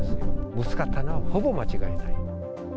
ぶつかったのはほぼ間違いない。